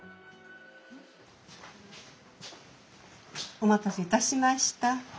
お待たせいたしました。